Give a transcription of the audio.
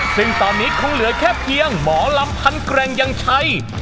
ซึ่งตอนนี้คงเหลือแค่เพียงหมอลำพันแกร่งยังชัย